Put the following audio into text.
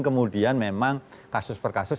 kemudian memang kasus per kasus